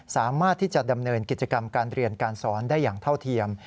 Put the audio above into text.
สามารถที่จะดำเนินกิจกรรมการเรียนการสอนได้อย่างเท่าเทียม